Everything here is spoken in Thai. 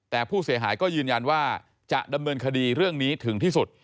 แต่ผู้เสียหายก็ยืนยันว่าจะดำเนินคดีเรื่องนี้ถึงที่สุด